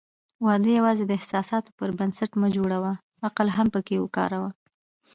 واده یوازې د احساساتو پر بنسټ مه جوړوه، عقل هم پکې وکاروه.